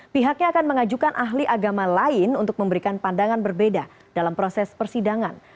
pihaknya akan mengajukan ahli agama lain untuk memberikan pandangan berbeda dalam proses persidangan